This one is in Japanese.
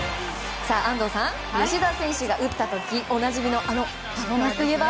さあ、安藤さん吉田選手が打った時おなじみのあのパフォーマンスといえば？